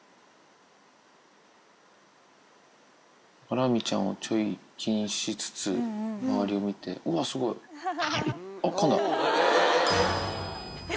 ラミちゃんをちょい気にしつつ、周りを見て、うわ、すごい。あっ、かんだ。